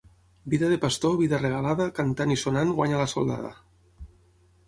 Vida de pastor, vida regalada, cantant i sonant guanya la soldada.